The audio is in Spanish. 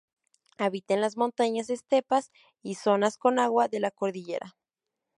Habita en las montañas, estepas y zonas con agua de la cordillera.